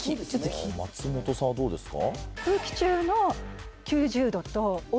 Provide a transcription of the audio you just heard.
松本さんはどうですか？